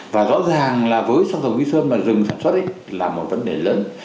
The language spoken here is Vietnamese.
và rõ ràng là với xăng dầu nghĩa sơn mà dừng sản xuất là một vấn đề lớn